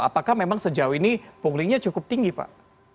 apakah memang sejauh ini punglinya cukup tinggi pak